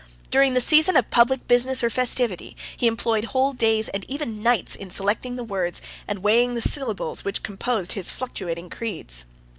94 During the season of public business or festivity, he employed whole days, and even nights, in selecting the words, and weighing the syllables, which composed his fluctuating creeds.